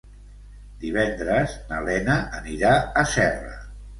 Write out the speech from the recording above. Divendres na Lena anirà a Serra.